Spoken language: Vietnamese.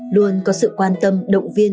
luôn có sự quan tâm động viên